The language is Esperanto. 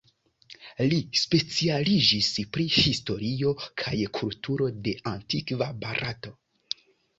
Li specialiĝis pri historio kaj kulturo de antikva Barato.